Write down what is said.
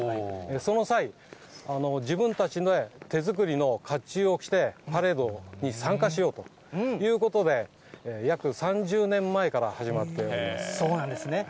その際、自分たちで手作りの甲冑を着て、パレードに参加しようということで、そうなんですね。